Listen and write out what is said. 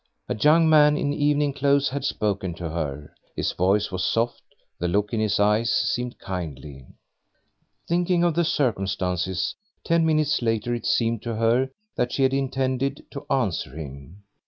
A young man in evening clothes had spoken to her. His voice was soft, the look in his eyes seemed kindly. Thinking of the circumstances ten minutes later it seemed to her that she had intended to answer him.